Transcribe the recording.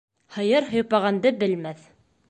Һыйыр һыйпағанды белмәҫ.